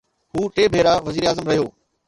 هو ٽي ڀيرا وزيراعظم رهيو.